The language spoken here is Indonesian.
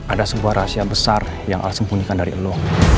ada sebuah rahasia besaar yang al sembunyikan dari lo